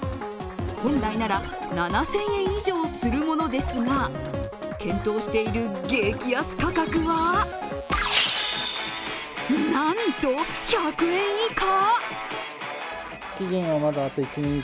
本来なら７０００円以上するものですが、検討している激安価格はなんと１００円以下！？